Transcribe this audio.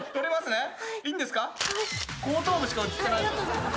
後頭部しか写ってないっす。